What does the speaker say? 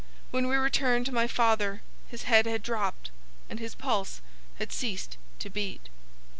When we returned to my father his head had dropped and his pulse had ceased to beat.